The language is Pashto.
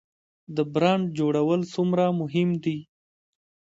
د برنډ جوړول څومره مهم دي؟